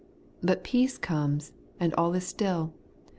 But peace comes, and all is still.